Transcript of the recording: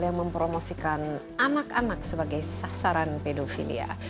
yang mempromosikan anak anak sebagai sasaran pedofilia